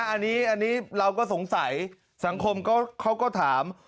อันนี้เราก็สงสัยสังคมเขาก็ถาม